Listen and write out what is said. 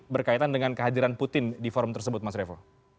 berkaitan dengan kehadiran putin di forum tersebut mas revo